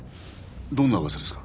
どんな噂ですか？